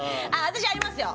私ありますよ